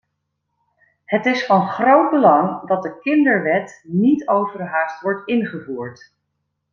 Het is van groot belang dat de kinderwet niet overhaast wordt ingevoerd.